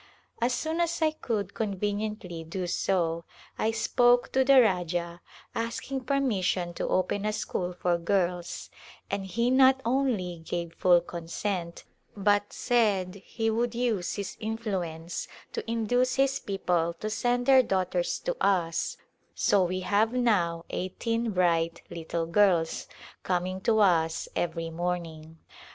As soon as I could conveniently do so I spoke to the Rajah asking permission to open a school for girls, and he not only gave full consent but said he would use his influence to induce his people to send their daughters to us, so we have now eighteen bright little girls coming to us every morning.